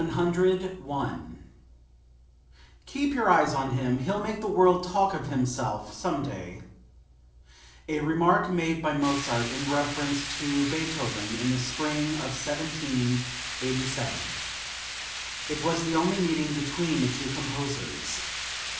101. "Keep your eyes on him; he'll make the world talk of himself some day!" (A remark made by Mozart in reference to Beethoven in the spring of 1787. It was the only meeting between the two composers.